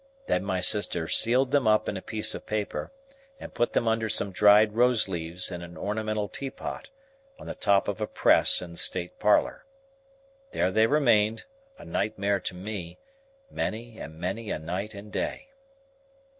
Then my sister sealed them up in a piece of paper, and put them under some dried rose leaves in an ornamental teapot on the top of a press in the state parlour. There they remained, a nightmare to me, many and many a night and day.